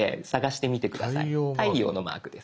太陽のマークです。